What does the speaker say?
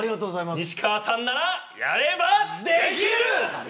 西川さんなら、やればできる。